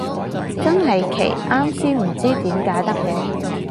真係奇，啱先唔知點解得嘅